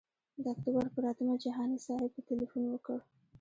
د اکتوبر پر اتمه جهاني صاحب ته تیلفون وکړ.